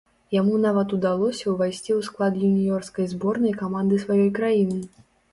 Яму нават удалося ўвайсці ў склад юніёрскай зборнай каманды сваёй краіны.